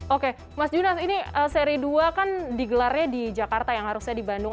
oke mas junas ini seri dua kan digelarnya di jakarta yang harusnya di bandung